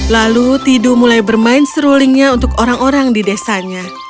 lalu tidu mulai bermain serulingnya untuk orang orang di desanya